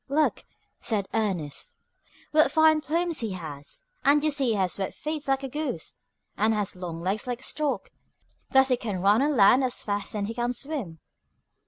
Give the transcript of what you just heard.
"Look," said Ernest, "what fine plumes he has, and you see he has web feet like a goose, and has long legs like a stork: thus he can run on land as fast as he can swim."